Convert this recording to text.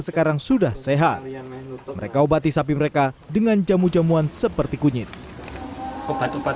sekarang sudah sehat mereka obati sapi mereka dengan jamu jamuan seperti kunyit obat obat